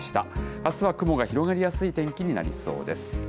あすは雲が広がりやすい天気になりそうです。